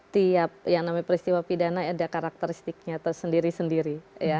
tiap yang namanya peristiwa pidana ada karakteristiknya tersendiri sendiri